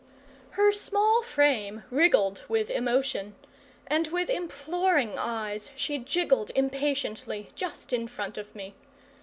Her small frame wriggled with emotion, and with imploring eyes she jigged impatiently just in front of me.